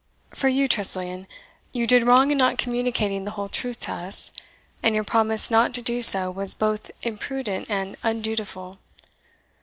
For you, Tressilian, you did wrong in not communicating the whole truth to us, and your promise not to do so was both imprudent and undutiful.